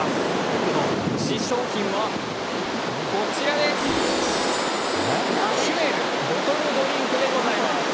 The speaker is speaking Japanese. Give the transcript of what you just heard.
僕の推し商品はこちらＨｕｅｌボトルドリンクでございます。